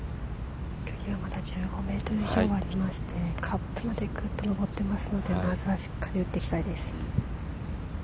距離はまだ１５ｍ以上ありましてカップの出方もありますので、まずはしっかり打っていきたいです。